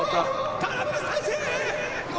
空振り三振！